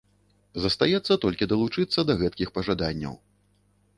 Застаецца толькі далучыцца да гэткіх пажаданняў.